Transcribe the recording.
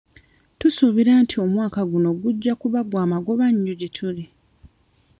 Tusuubira nti omwaka guno gujja kuba gwa magoba nnyo gye tuli.